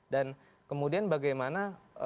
dan kemudian bagaimana